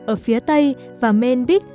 ở phía tây và main beach